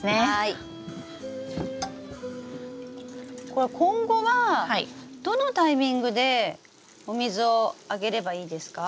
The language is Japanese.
これ今後はどのタイミングでお水をあげればいいですか？